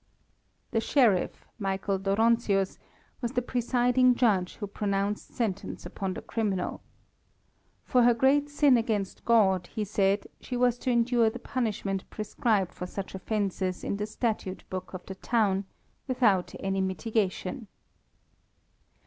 The Sheriff, Michael Dóronczius, was the presiding judge who pronounced sentence upon the criminal. For her great sin against God, he said, she was to endure the punishment prescribed for such offences in the statute book of the town, without any mitigation.